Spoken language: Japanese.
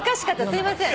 すいません。